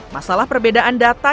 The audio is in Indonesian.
masalah perbedaan data